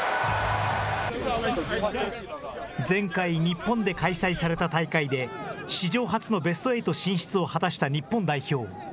前回、日本で開催された大会で史上初のベスト８進出を果たした日本代表。